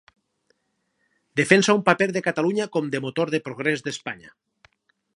Defensa un paper de Catalunya com de motor de progrés d'Espanya.